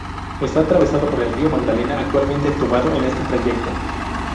Está atravesado por el río Magdalena, actualmente entubado en este trayecto.